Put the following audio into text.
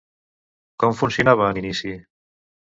Com funcionava en inici?